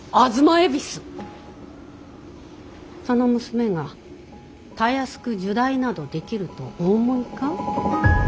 その娘がたやすく入内などできるとお思いか。